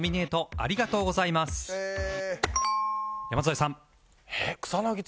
山添さん